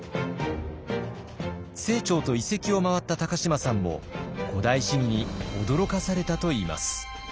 清張と遺跡を回った高島さんも「古代史疑」に驚かされたといいます。